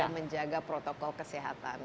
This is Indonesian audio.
menjaga protokol kesehatan